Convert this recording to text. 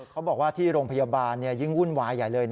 เขาบอกว่าที่โรงพยาบาลยิ่งวุ่นวายใหญ่เลย